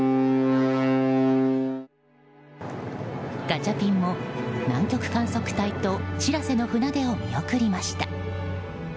ガチャピンも南極観測隊と「しらせ」の船出を見送りました。